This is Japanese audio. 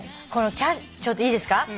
このちょっといいですか？